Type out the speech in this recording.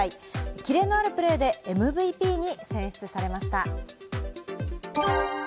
華麗なるプレーでＭＶＰに選出されました。